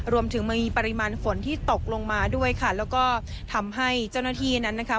มันมีปริมาณฝนที่ตกลงมาด้วยค่ะแล้วก็ทำให้เจ้าหน้าที่นั้นนะคะ